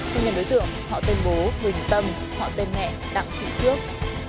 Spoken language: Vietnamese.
thông tin đối tượng họ tên bố huỳnh tâm họ tên mẹ đặng thị trước